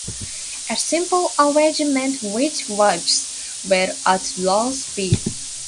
A simple arrangement which works well at low speed.